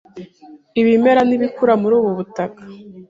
Ibimera ntibikura muri ubu butaka.